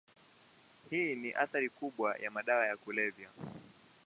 Hii ni athari kubwa ya madawa ya kulevya.